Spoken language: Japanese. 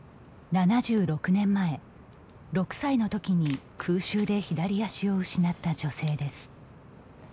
７６年前、６歳のときに空襲で左足を失った女性です。